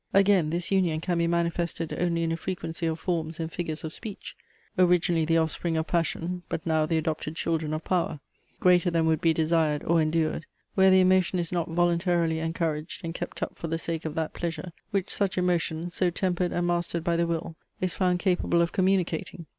Again, this union can be manifested only in a frequency of forms and figures of speech, (originally the offspring of passion, but now the adopted children of power), greater than would be desired or endured, where the emotion is not voluntarily encouraged and kept up for the sake of that pleasure, which such emotion, so tempered and mastered by the will, is found capable of communicating.